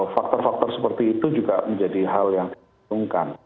faktor faktor seperti itu juga menjadi hal yang dihitungkan